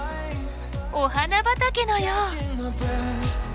お花畑のよう！